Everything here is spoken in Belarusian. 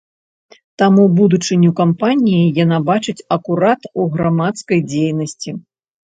Таму будучыню кампаніі яна бачыць акурат у грамадскай дзейнасці.